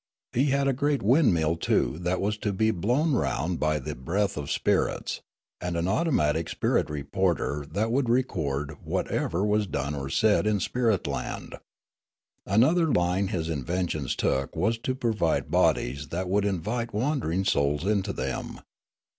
He had a great windmill too that was to be blown round by the breath of spirits ; and an automatic spirit reporter that would record whatever was done or said in spirit land. Another line his inventions took was to provide bodies that would invite wandering souls into them.